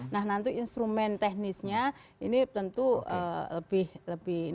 nah nanti instrumen teknisnya ini tentu lebih